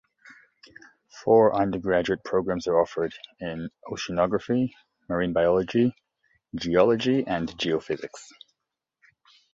Four undergraduate programs are offered, in Oceanography, Marine Biology, Geology and Geophysics.